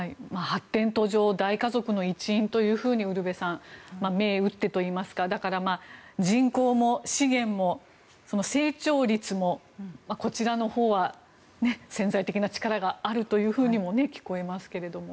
発展途上大家族の一員と銘打ってといいますか人口も資源も成長率もこちらのほうは潜在的な力があるというふうにも聞こえますけれども。